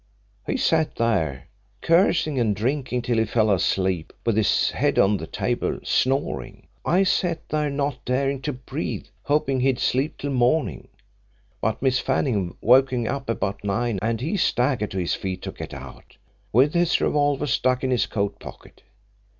"He sat there, cursing and drinking, till he fell asleep with his head on the table, snoring. I sat there not daring to breathe, hoping he'd sleep till morning, but Miss Fanning woke him up about nine, and he staggered to his feet to get out, with his revolver stuck in his coat pocket.